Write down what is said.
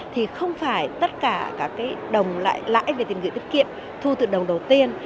thì không phải tất cả các đồng lại lãi về tiền gửi tiết kiệm thu từ đồng đầu tiên